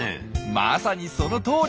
まさにそのとおり！